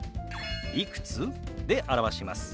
「いくつ？」で表します。